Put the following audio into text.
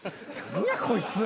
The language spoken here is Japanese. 何やこいつ。